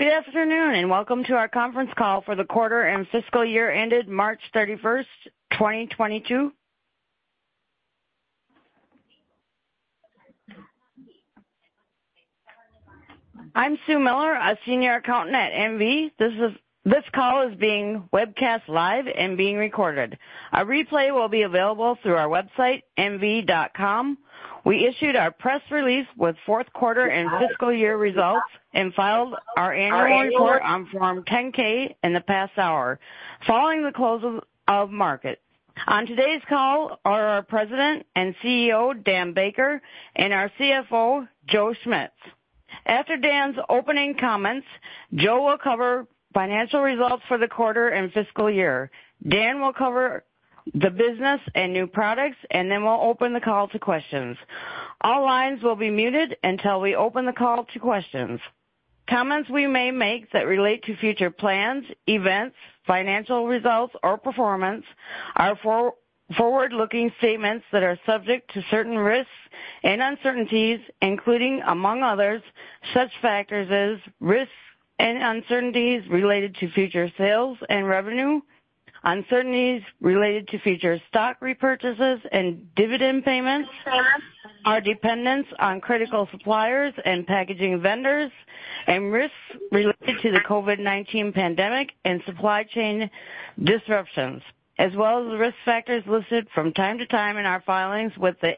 Good afternoon, and welcome to our conference call for the quarter and fiscal year ended March 31, 2022. I'm Sue Miller, a senior accountant at NVE. This call is being webcast live and being recorded. A replay will be available through our website, nve.com. We issued our press release with fourth quarter and fiscal year results and filed our annual report on Form 10-K in the past hour following the close of market. On today's call are our President and CEO, Dan Baker, and our CFO, Joe Schmitz. After Dan's opening comments, Joe will cover financial results for the quarter and fiscal year. Dan will cover the business and new products, and then we'll open the call to questions. All lines will be muted until we open the call to questions. Comments we may make that relate to future plans, events, financial results or performance are forward-looking statements that are subject to certain risks and uncertainties, including, among others, such factors as risks and uncertainties related to future sales and revenue, uncertainties related to future stock repurchases and dividend payments, our dependence on critical suppliers and packaging vendors, and risks related to the COVID-19 pandemic and supply chain disruptions, as well as the risk factors listed from time to time in our filings with the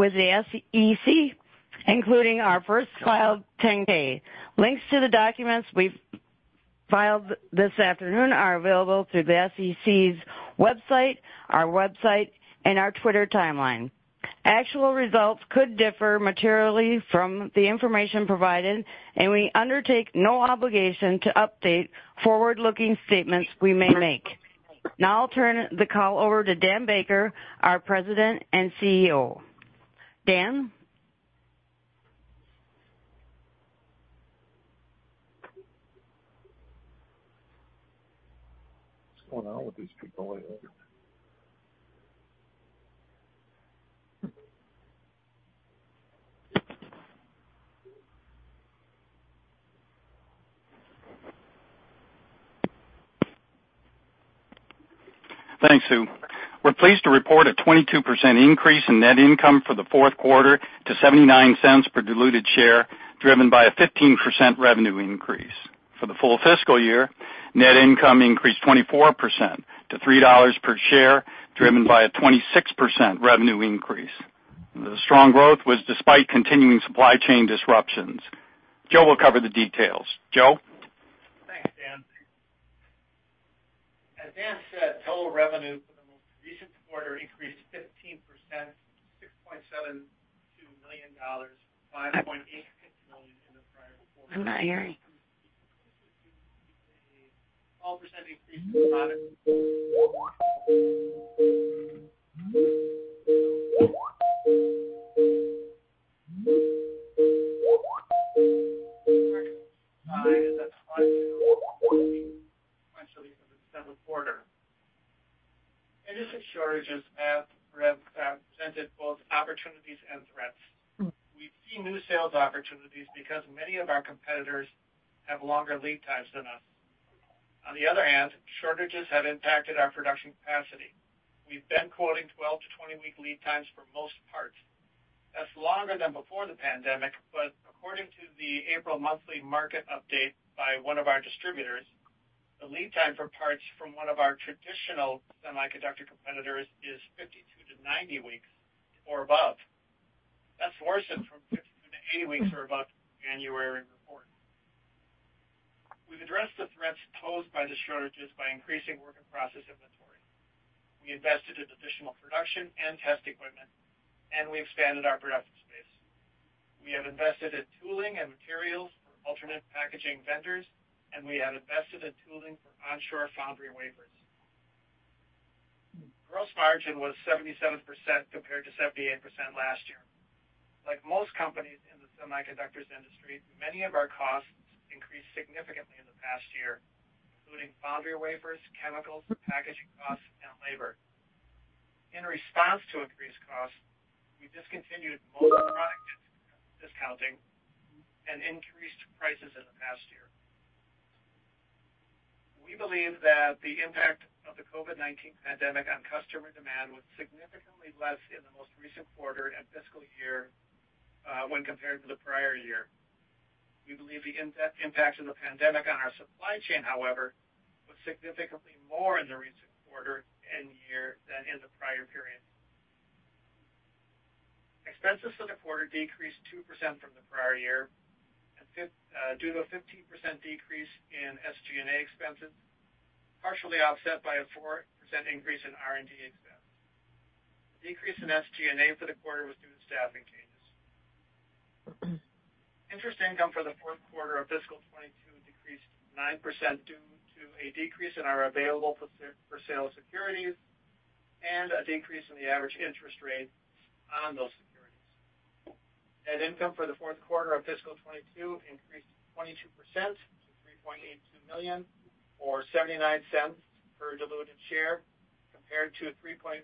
SEC, including our Form 10-K. Links to the documents we've filed this afternoon are available through the SEC's website, our website, and our Twitter timeline. Actual results could differ materially from the information provided, and we undertake no obligation to update forward-looking statements we may make. Now I'll turn the call over to Daniel Baker, our President and CEO. Daniel? What's going on with these people? Thanks, Sue. We're pleased to report a 22% increase in net income for the fourth quarter to $0.79 per diluted share, driven by a 15% revenue increase. For the full fiscal year, net income increased 24% to $3 per share, driven by a 26% revenue increase. The strong growth was despite continuing supply chain disruptions. Joe will cover the details. Joe? Thanks, Dan. As Dan said, total revenue for the most recent quarter increased 15% to $6.72 million, $5.86 million in the prior quarter. I'm not hearing. A 12% increase in product sales of $5 million for the seventh quarter. Industry shortages have presented both opportunities and threats. We see new sales opportunities because many of our competitors have longer lead times than us. On the other hand, shortages have impacted our production capacity. We've been quoting 12-20-week lead times for most parts. That's longer than before the pandemic, but according to the April monthly market update by one of our distributors, the lead time for parts from one of our traditional semiconductor competitors is 52-90 weeks or above. That's worsened from 52-80 weeks or above January report. We've addressed the threats posed by the shortages by increasing work in process inventory. We invested in additional production and test equipment, and we expanded our production space. We have invested in tooling and materials for alternate packaging vendors, and we have invested in tooling for onshore foundry wafers. Gross margin was 77% compared to 78% last year. Like most companies in the semiconductors industry, many of our costs increased significantly in the past year, including foundry wafers, chemicals, packaging costs, and labor. In response to increased costs, we discontinued most product discounting and increased prices in the past year. We believe that the impact of the COVID-19 pandemic on customer demand was significantly less in the most recent quarter and fiscal year when compared to the prior year. We believe the impact of the pandemic on our supply chain, however, was significantly more in the recent quarter and year than in the prior period. Expenses for the quarter decreased 2% from the prior year due to a 15% decrease in SG&A expenses, partially offset by a 4% increase in R&D expense. Decrease in SG&A for the quarter was due to staffing changes. Interest income for the fourth quarter of fiscal 2022 decreased 9% due to a decrease in our available-for-sale securities and a decrease in the average interest rate on those securities. Net income for the fourth quarter of fiscal 2022 increased 22% to $3.82 million or $0.79 per diluted share. Compared to $3.13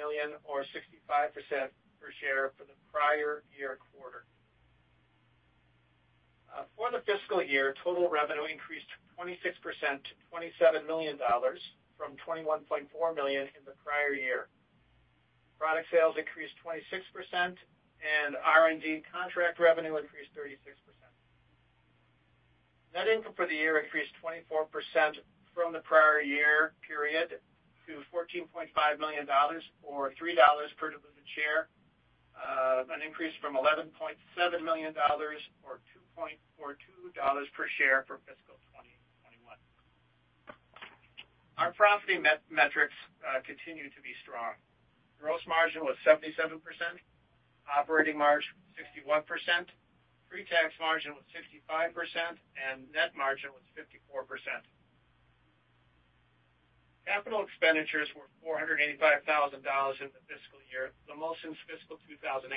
million or $0.65 per share for the prior year quarter. For the fiscal year, total revenue increased 26% to $27 million from $21.4 million in the prior year. Product sales increased 26% and R&D contract revenue increased 36%. Net income for the year increased 24% from the prior year period to $14.5 million or $3 per diluted share, an increase from $11.7 million or $2.42 per share for fiscal 2021. Our profit metrics continue to be strong. Gross margin was 77%, operating margin 61%, pre-tax margin was 65%, and net margin was 54%. Capital expenditures were $485,000 in the fiscal year, the most since fiscal 2018.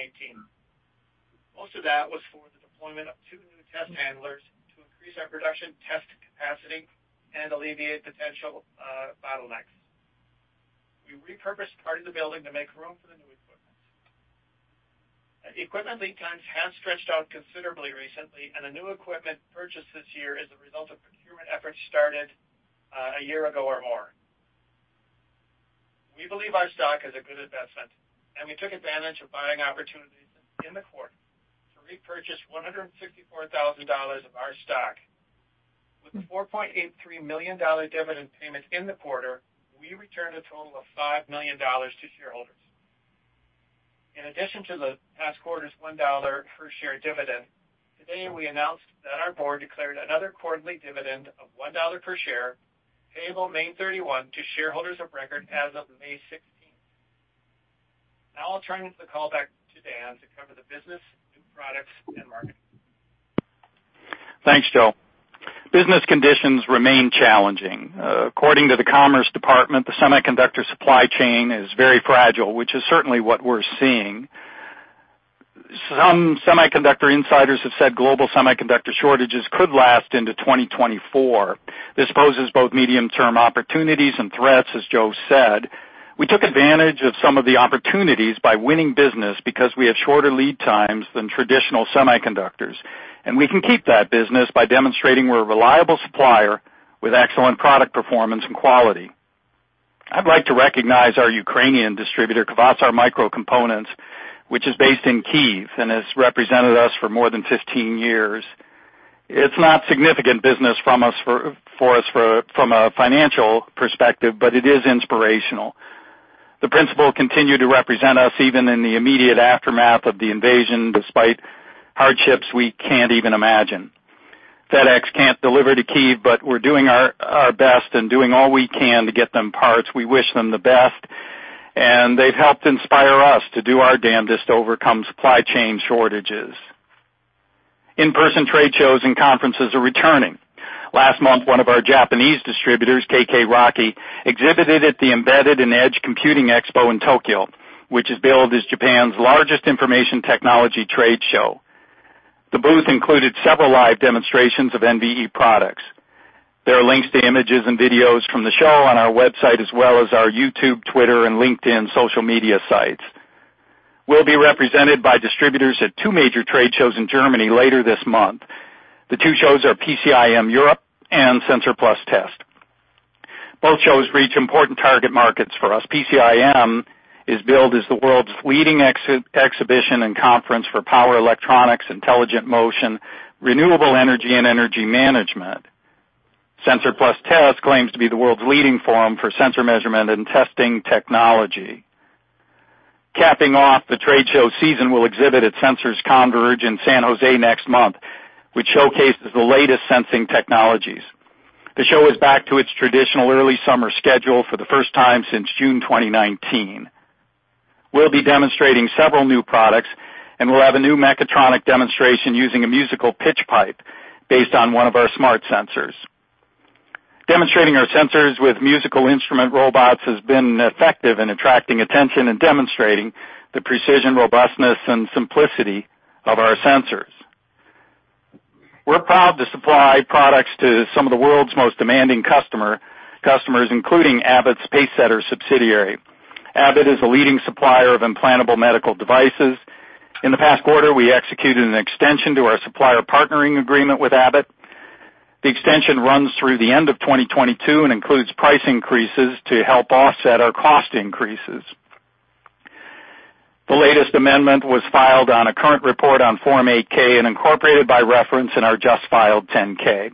Most of that was for the deployment of two new test handlers to increase our production test capacity and alleviate potential bottlenecks. We repurposed part of the building to make room for the new equipment. The equipment lead times have stretched out considerably recently, and the new equipment purchased this year is a result of procurement efforts started a year ago or more. We believe our stock is a good investment, and we took advantage of buying opportunities in the quarter to repurchase $154,000 of our stock. With the $4.83 million dividend payment in the quarter, we returned a total of $5 million to shareholders. In addition to the past quarter's $1 per share dividend, today we announced that our board declared another quarterly dividend of $1 per share, payable May 31 to shareholders of record as of May 16. Now I'll turn the call back to Dan to cover the business, new products, and marketing. Thanks, Joe. Business conditions remain challenging. According to the Commerce Department, the semiconductor supply chain is very fragile, which is certainly what we're seeing. Some semiconductor insiders have said global semiconductor shortages could last into 2024. This poses both medium-term opportunities and threats, as Joe said. We took advantage of some of the opportunities by winning business because we have shorter lead times than traditional semiconductors, and we can keep that business by demonstrating we're a reliable supplier with excellent product performance and quality. I'd like to recognize our Ukrainian distributor, Quasar, which is based in Kyiv and has represented us for more than 15 years. It's not significant business for us from a financial perspective, but it is inspirational. The principal continued to represent us even in the immediate aftermath of the invasion, despite hardships we can't even imagine. FedEx can't deliver to Kyiv, but we're doing our best and doing all we can to get them parts. We wish them the best, and they've helped inspire us to do our damnedest to overcome supply chain shortages. In-person trade shows and conferences are returning. Last month, one of our Japanese distributors, K.K.ROCKY, exhibited at the Embedded and Edge Computing Expo in Tokyo, which is billed as Japan's largest information technology trade show. The booth included several live demonstrations of NVE products. There are links to images and videos from the show on our website, as well as our YouTube, Twitter, and LinkedIn social media sites. We'll be represented by distributors at two major trade shows in Germany later this month. The two shows are PCIM Europe and SENSOR+TEST. Both shows reach important target markets for us. PCIM is billed as the world's leading exhibition and conference for power electronics, intelligent motion, renewable energy, and energy management. SENSOR+TEST claims to be the world's leading forum for sensor measurement and testing technology. Capping off the trade show season, we'll exhibit at Sensors Converge in San Jose next month, which showcases the latest sensing technologies. The show is back to its traditional early summer schedule for the first time since June 2019. We'll be demonstrating several new products, and we'll have a new mechatronic demonstration using a musical pitch pipe based on one of our smart sensors. Demonstrating our sensors with musical instrument robots has been effective in attracting attention and demonstrating the precision, robustness, and simplicity of our sensors. We're proud to supply products to some of the world's most demanding customers, including Abbott's Pacesetter subsidiary. Abbott is a leading supplier of implantable medical devices. In the past quarter, we executed an extension to our supplier partnering agreement with Abbott. The extension runs through the end of 2022 and includes price increases to help offset our cost increases. The latest amendment was filed on a current report on Form 8-K and incorporated by reference in our just filed 10-K.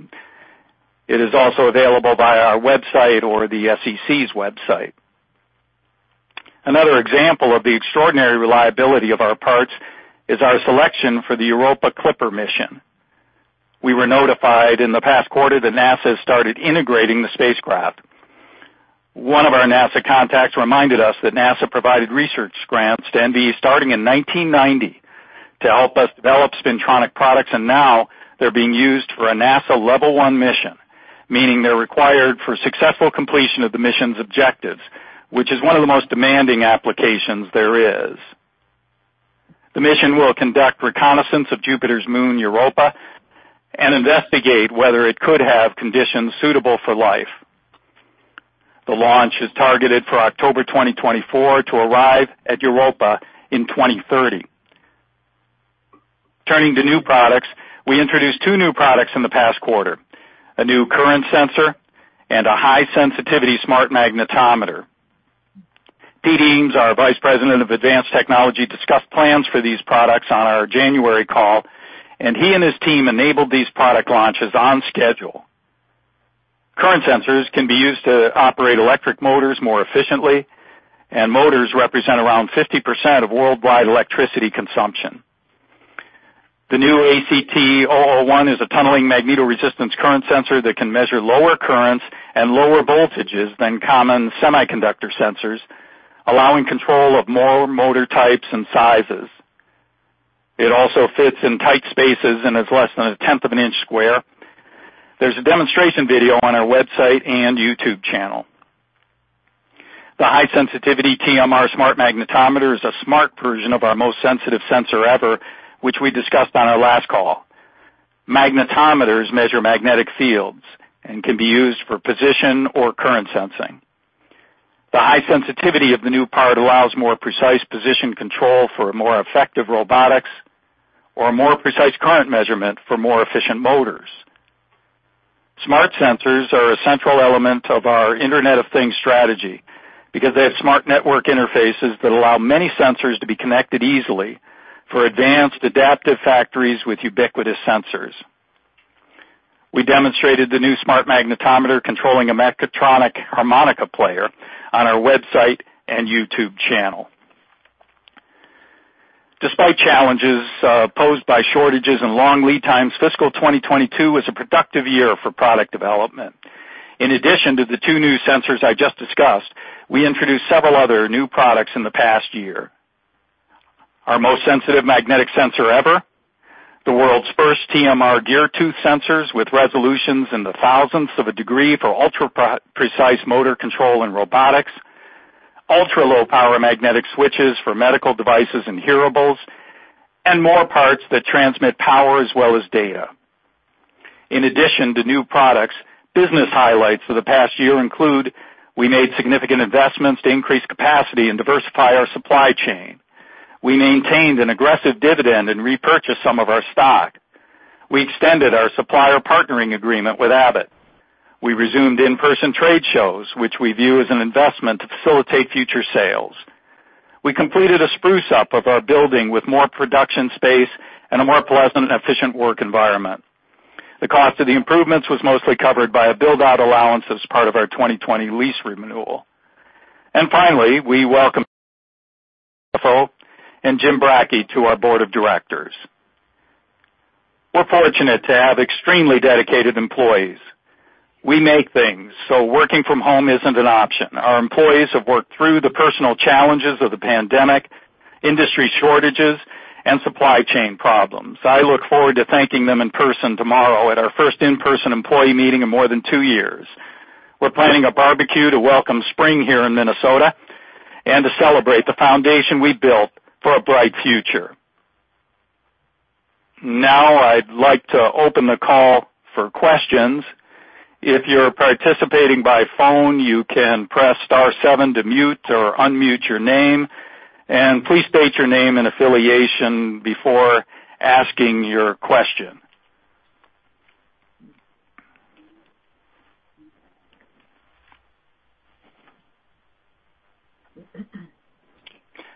It is also available via our website or the SEC's website. Another example of the extraordinary reliability of our parts is our selection for the Europa Clipper mission. We were notified in the past quarter that NASA has started integrating the spacecraft. One of our NASA contacts reminded us that NASA provided research grants to NVE starting in 1990 to help us develop spintronic products, and now they're being used for a NASA Level 1 mission, meaning they're required for successful completion of the mission's objectives, which is one of the most demanding applications there is. The mission will conduct reconnaissance of Jupiter's moon, Europa, and investigate whether it could have conditions suitable for life. The launch is targeted for October 2024 to arrive at Europa in 2030. Turning to new products. We introduced 2 new products in the past quarter, a new current sensor and a high sensitivity smart magnetometer. Peter Eames, our Vice President of Advanced Technology, discussed plans for these products on our January call, and he and his team enabled these product launches on schedule. Current sensors can be used to operate electric motors more efficiently, and motors represent around 50% of worldwide electricity consumption. The new ACT001 is a tunneling magnetoresistance current sensor that can measure lower currents and lower voltages than common semiconductor sensors, allowing control of more motor types and sizes. It also fits in tight spaces and is less than a tenth of an inch square. There's a demonstration video on our website and YouTube channel. The high sensitivity TMR smart magnetometer is a smart version of our most sensitive sensor ever, which we discussed on our last call. Magnetometers measure magnetic fields and can be used for position or current sensing. The high sensitivity of the new part allows more precise position control for more effective robotics or more precise current measurement for more efficient motors. Smart sensors are a central element of our Internet of Things strategy, because they have smart network interfaces that allow many sensors to be connected easily for advanced adaptive factories with ubiquitous sensors. We demonstrated the new smart magnetometer controlling a mechatronic harmonica player on our website and YouTube channel. Despite challenges posed by shortages and long lead times, fiscal 2022 was a productive year for product development. In addition to the two new sensors I just discussed, we introduced several other new products in the past year. Our most sensitive magnetic sensor ever, the world's first TMR gear tooth sensors with resolutions in the thousandths of a degree for ultra pre-precise motor control and robotics, ultra-low power magnetic switches for medical devices and hearables, and more parts that transmit power as well as data. In addition to new products, business highlights for the past year include, we made significant investments to increase capacity and diversify our supply chain. We maintained an aggressive dividend and repurchased some of our stock. We extended our supplier partnering agreement with Abbott. We resumed in-person trade shows, which we view as an investment to facilitate future sales. We completed a spruce-up of our building with more production space and a more pleasant and efficient work environment. The cost of the improvements was mostly covered by a build-out allowance as part of our 2020 lease renewal. Finally, we welcomed CFO and James Bracke to our board of directors. We're fortunate to have extremely dedicated employees. We make things, so working from home isn't an option. Our employees have worked through the personal challenges of the pandemic, industry shortages, and supply chain problems. I look forward to thanking them in person tomorrow at our first in-person employee meeting in more than two years. We're planning a barbecue to welcome spring here in Minnesota and to celebrate the foundation we built for a bright future. Now, I'd like to open the call for questions. If you're participating by phone, you can press star seven to mute or unmute your name, and please state your name and affiliation before asking your question.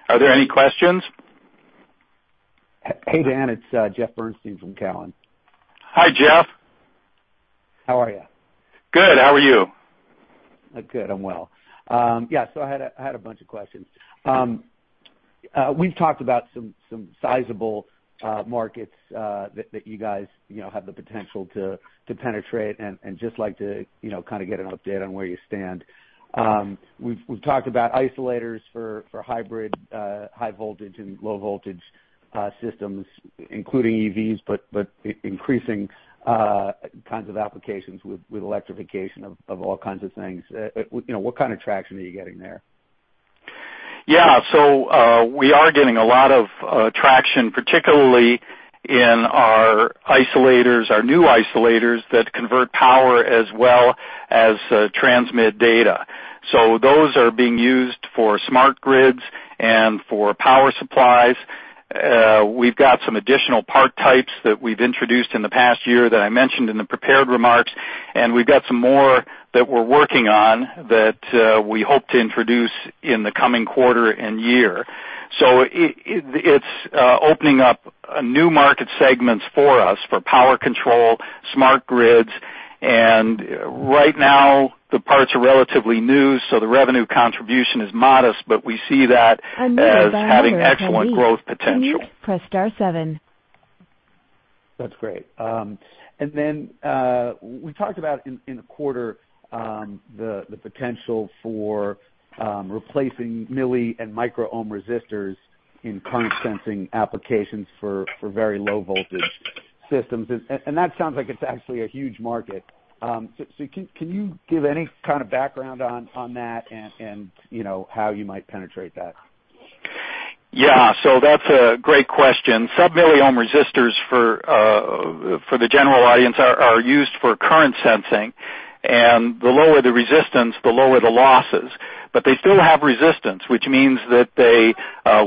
Are there any questions? Hey, Dan. It's Jeffrey Bernstein from Cowen. Hi, Jeff. How are you? Good. How are you? I'm good. I'm well. Yeah, I had a bunch of questions. We've talked about some sizable markets that you guys, you know, have the potential to penetrate and just like to, you know, kind of get an update on where you stand. We've talked about isolators for hybrid high voltage and low voltage systems, including EVs, but increasing kinds of applications with electrification of all kinds of things. You know, what kind of traction are you getting there? Yeah. We are getting a lot of traction, particularly in our isolators, our new isolators that convert power as well as transmit data. Those are being used for smart grids and for power supplies. We've got some additional part types that we've introduced in the past year that I mentioned in the prepared remarks, and we've got some more that we're working on that we hope to introduce in the coming quarter and year. It's opening up new market segments for us for power control, smart grids. Right now, the parts are relatively new, so the revenue contribution is modest, but we see that as having excellent growth potential. To mute, press star seven. That's great. Then we talked about in the quarter the potential for replacing milli- and micro-ohm resistors in current sensing applications for very low voltage systems. That sounds like it's actually a huge market. Can you give any kind of background on that and you know, how you might penetrate that? Yeah. That's a great question. Sub-milliohm resistors for the general audience are used for current sensing. The lower the resistance, the lower the losses. They still have resistance, which means that they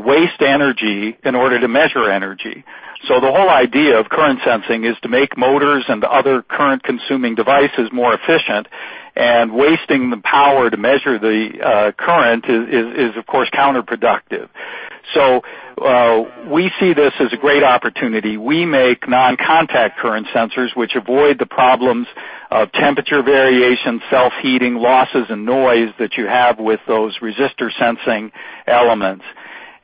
waste energy in order to measure energy. The whole idea of current sensing is to make motors and other current consuming devices more efficient, and wasting the power to measure the current is of course counterproductive. We see this as a great opportunity. We make non-contact current sensors which avoid the problems of temperature variation, self-heating, losses, and noise that you have with those resistor sensing elements.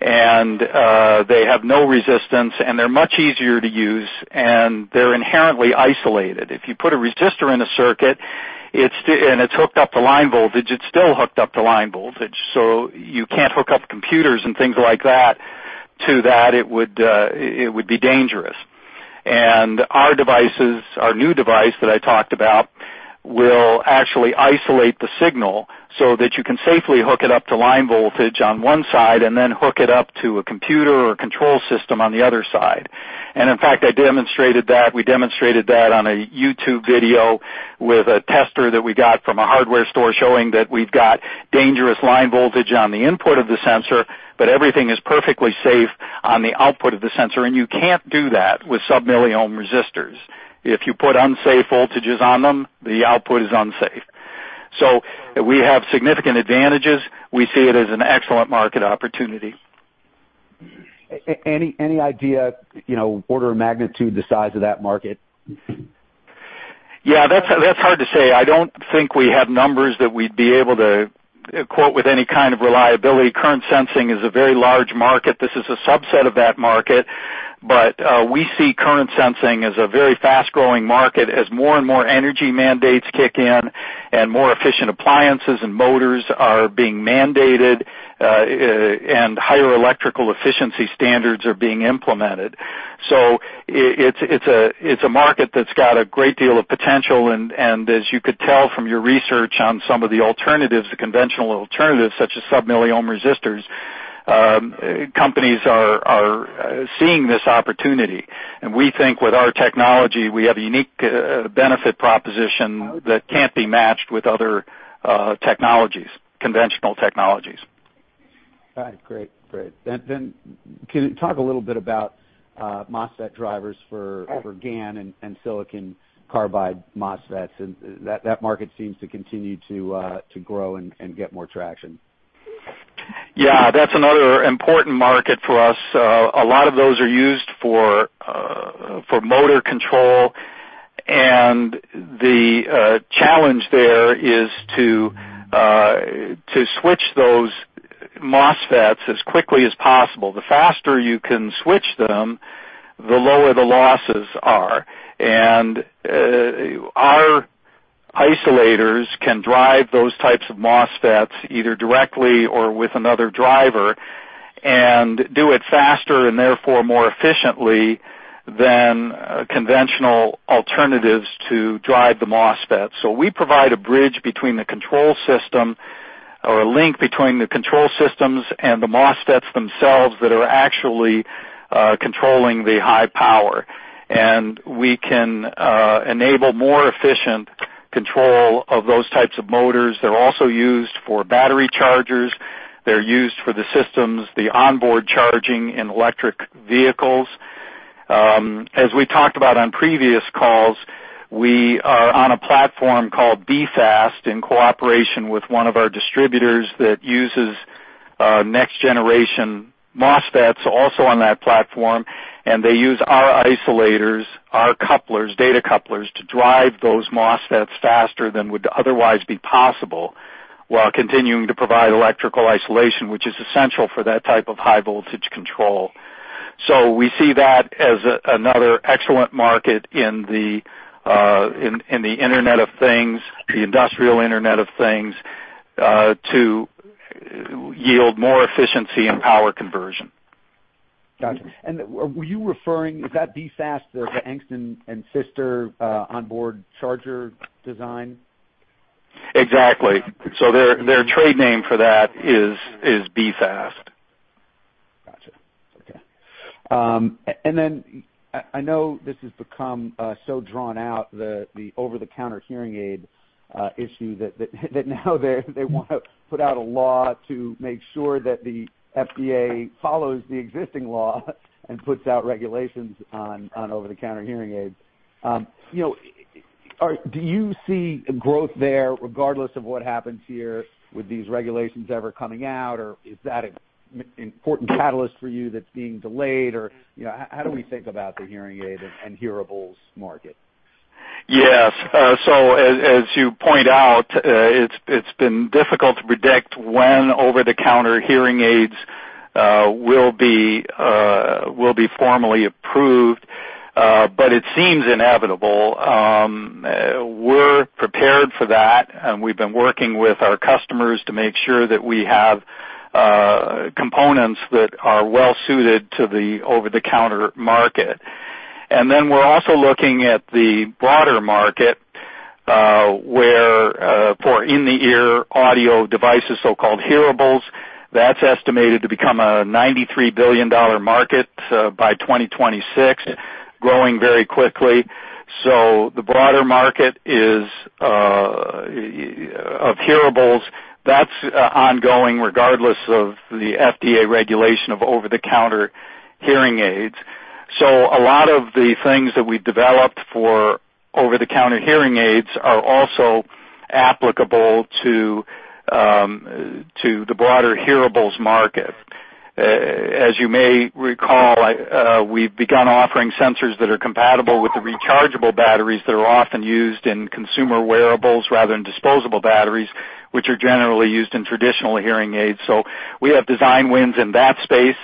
They have no resistance, and they're much easier to use, and they're inherently isolated. If you put a resistor in a circuit, it's hooked up to line voltage, it's still hooked up to line voltage. You can't hook up computers and things like that to that, it would be dangerous. Our devices, our new device that I talked about, will actually isolate the signal so that you can safely hook it up to line voltage on one side, and then hook it up to a computer or a control system on the other side. In fact, I demonstrated that. We demonstrated that on a YouTube video with a tester that we got from a hardware store, showing that we've got dangerous line voltage on the input of the sensor, but everything is perfectly safe on the output of the sensor. You can't do that with sub-milliohm resistors. If you put unsafe voltages on them, the output is unsafe. We have significant advantages. We see it as an excellent market opportunity. Any idea, you know, order of magnitude, the size of that market? Yeah, that's hard to say. I don't think we have numbers that we'd be able to quote with any kind of reliability. Current sensing is a very large market. This is a subset of that market. We see current sensing as a very fast-growing market as more and more energy mandates kick in and more efficient appliances and motors are being mandated, and higher electrical efficiency standards are being implemented. It's a market that's got a great deal of potential, and as you could tell from your research on some of the alternatives, the conventional alternatives such as sub-milliohm resistors, companies are seeing this opportunity. We think with our technology, we have a unique benefit proposition that can't be matched with other technologies, conventional technologies. All right. Great. Can you talk a little bit about MOSFET drivers for GaN and silicon carbide MOSFETs? That market seems to continue to grow and get more traction. Yeah, that's another important market for us. A lot of those are used for motor control. The challenge there is to switch those MOSFETs as quickly as possible. The faster you can switch them, the lower the losses are. Our isolators can drive those types of MOSFETs either directly or with another driver, and do it faster and therefore more efficiently than conventional alternatives to drive the MOSFET. We provide a bridge between the control system or a link between the control systems and the MOSFETs themselves that are actually controlling the high power. We can enable more efficient control of those types of motors. They're also used for battery chargers. They're used for the systems, the onboard charging in electric vehicles. As we talked about on previous calls, we are on a platform called B-Fast in cooperation with one of our distributors that uses next generation MOSFETs also on that platform, and they use our isolators, our couplers, data couplers to drive those MOSFETs faster than would otherwise be possible while continuing to provide electrical isolation, which is essential for that type of high voltage control. We see that as another excellent market in the Internet of Things, the industrial Internet of Things, to yield more efficiency and power conversion. Gotcha. Is that B-Fast, the Angst+Pfister, onboard charger design? Exactly. Their trade name for that is B-Fast. Gotcha. Okay. I know this has become so drawn out, the over-the-counter hearing aid issue that now they wanna put out a law to make sure that the FDA follows the existing law and puts out regulations on over-the-counter hearing aids. You know, do you see growth there regardless of what happens here with these regulations ever coming out, or is that an important catalyst for you that's being delayed? Or, you know, how do we think about the hearing aid and hearables market? Yes. So as you point out, it's been difficult to predict when over-the-counter hearing aids will be formally approved, but it seems inevitable. We're prepared for that, and we've been working with our customers to make sure that we have components that are well suited to the over-the-counter market. Then we're also looking at the broader market, where for in-the-ear audio devices, so-called hearables, that's estimated to become a $93 billion market by 2026, growing very quickly. The broader market of hearables that's ongoing regardless of the FDA regulation of over-the-counter hearing aids. A lot of the things that we've developed for over-the-counter hearing aids are also applicable to the broader hearables market. As you may recall, we've begun offering sensors that are compatible with the rechargeable batteries that are often used in consumer wearables rather than disposable batteries, which are generally used in traditional hearing aids. We have design wins in that space,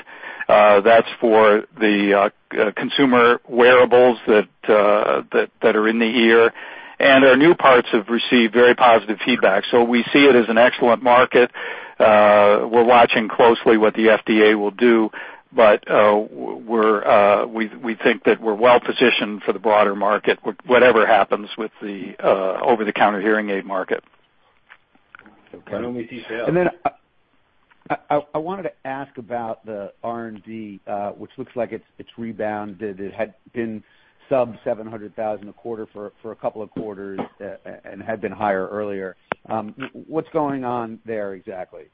that's for the consumer wearables that are in the ear. Our new parts have received very positive feedback. We see it as an excellent market. We're watching closely what the FDA will do, but we think that we're well-positioned for the broader market, whatever happens with the over-the-counter hearing aid market. Okay. I wanted to ask about the R&D, which looks like it's rebounded. It had been sub $700,000 a quarter for a couple of quarters, and had been higher earlier. What's going on there exactly?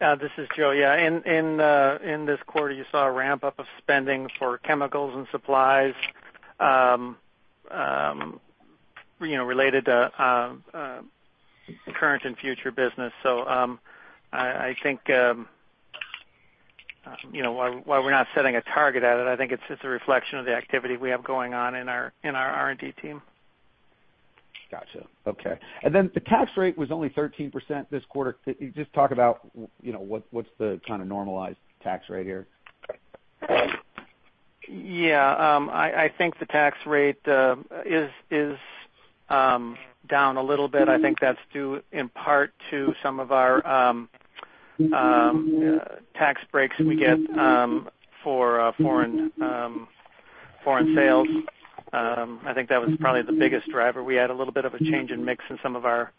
This is Joe. Yeah, in this quarter, you saw a ramp-up of spending for chemicals and supplies, you know, related to current and future business. I think you know, while we're not setting a target at it, I think it's just a reflection of the activity we have going on in our R&D team. Got you. Okay. The tax rate was only 13% this quarter. Could you just talk about, you know, what's the kind of normalized tax rate here? Yeah. I think the tax rate is down a little bit. I think that's due in part to some of our tax breaks we get for foreign sales. I think that was probably the biggest driver. We had a little bit of a change in mix in some of our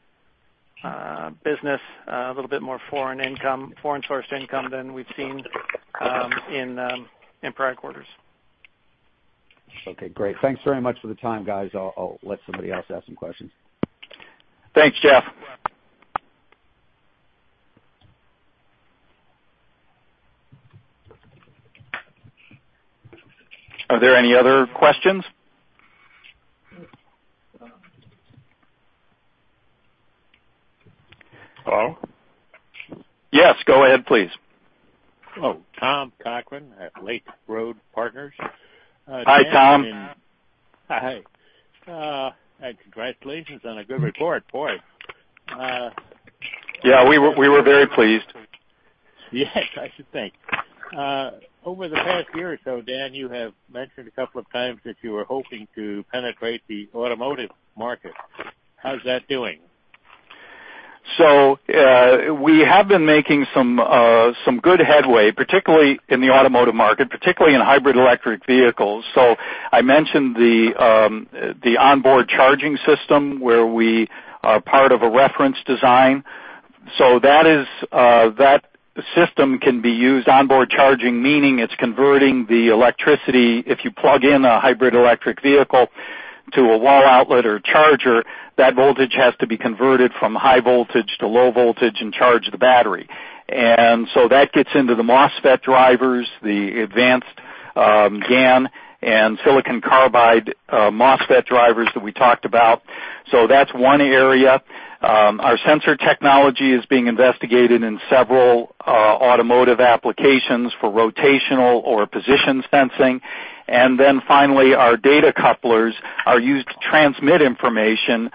business, a little bit more foreign income, foreign sourced income than we've seen in prior quarters. Okay, great. Thanks very much for the time, guys. I'll let somebody else ask some questions. Thanks, Jeff. Are there any other questions? Hello? Yes, go ahead, please. Oh, Tom Cochran at Lake Road Partners. Hi, Tom. Hi. Congratulations on a good report. Boy, Yeah, we were very pleased. Yes, I should think. Over the past year or so, Dan, you have mentioned a couple of times that you were hoping to penetrate the automotive market. How's that doing? We have been making some good headway, particularly in the automotive market, particularly in hybrid electric vehicles. I mentioned the onboard charging system where we are part of a reference design. That system can be used, onboard charging, meaning it's converting the electricity. If you plug in a hybrid electric vehicle to a wall outlet or charger, that voltage has to be converted from high voltage to low voltage and charge the battery. That gets into the MOSFET drivers, the advanced GaN and silicon carbide MOSFET drivers that we talked about. That's one area. Our sensor technology is being investigated in several automotive applications for rotational or position sensing. Finally, our data couplers are used to transmit information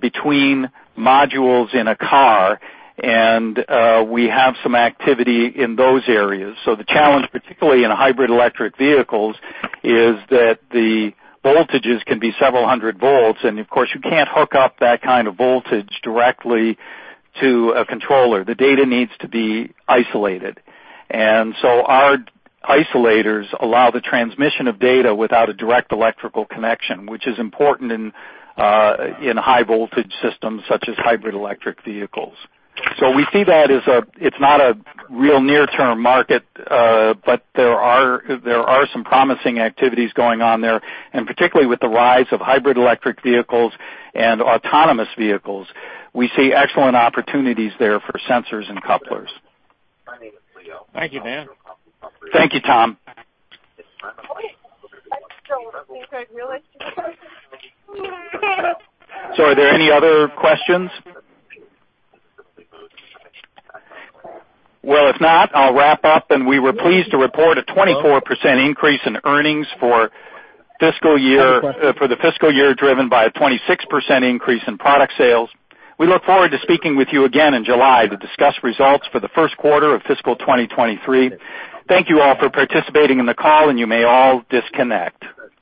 between modules in a car, and we have some activity in those areas. The challenge, particularly in hybrid electric vehicles, is that the voltages can be several hundred volts, and of course, you can't hook up that kind of voltage directly to a controller. The data needs to be isolated. Our isolators allow the transmission of data without a direct electrical connection, which is important in high voltage systems such as hybrid electric vehicles. We see that. It's not a real near-term market, but there are some promising activities going on there, and particularly with the rise of hybrid electric vehicles and autonomous vehicles, we see excellent opportunities there for sensors and couplers. Thank you, Dan. Thank you, Tom. Are there any other questions? Well, if not, I'll wrap up, and we were pleased to report a 24% increase in earnings for the fiscal year driven by a 26% increase in product sales. We look forward to speaking with you again in July to discuss results for the first quarter of fiscal 2023. Thank you all for participating in the call, and you may all disconnect.